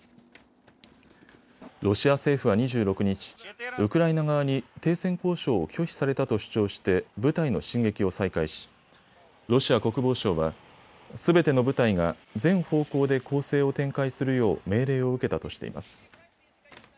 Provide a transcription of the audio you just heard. ロシア政府は２６日、ウクライナ側に停戦交渉を拒否されたと主張して部隊の進撃を再開しロシア国防省はすべての部隊が全方向で攻勢を展開するよう命令を受けたとしています。